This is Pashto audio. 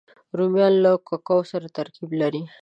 رومیان له کوکو سره ترکیب لري